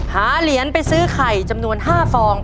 หาเหรียญไปซื้อไข่จำนวน๕ฟอง